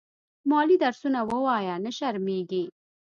مالې درسونه ووايه نه شرمېږې.